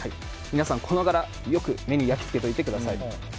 皆さんこの柄、よく目に焼き付けておいてください。